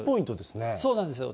そうなんですよ。